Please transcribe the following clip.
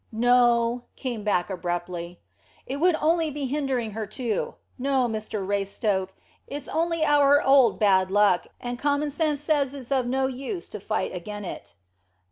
"No," came back abruptly. "It would only be hindering her too. No, Mr Raystoke, it's only our old bad luck, and common sense says it's of no use to fight again it."